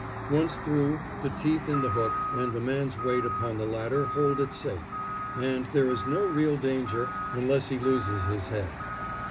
Once through, the teeth in the hook and the man's weight upon the ladder hold it safe, and there is no real danger unless he loses his head.